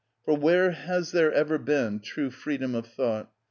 For where has there ever been true freedom of thought?